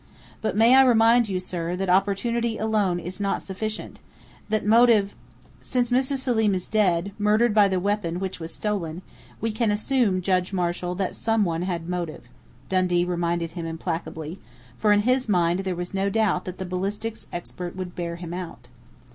But may I remind you, sir, that opportunity alone is not sufficient; that motive " "Since Mrs. Selim is dead, murdered by the weapon which was stolen, we can assume, Judge Marshall, that someone had motive," Dundee reminded him implacably, for in his mind there was no doubt that the ballistics expert would bear him out.